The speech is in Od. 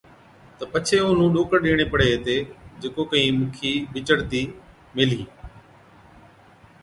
تہ پڇي اونَھُون ڏوڪڙ ڏيڻي پَڙي ھِتي جڪو ڪھين مُکِي بِچڙتِي ميلَھِي.